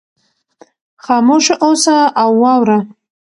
خاموشه اوسه او واوره.